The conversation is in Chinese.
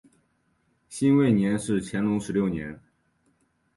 辛未年是乾隆十六年。